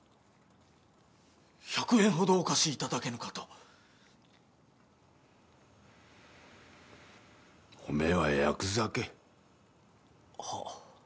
１００円ほどお貸しいただけぬかとおめはヤクザけ？はッ？